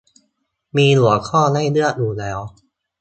มีหัวข้อให้เลือกอยู่แล้ว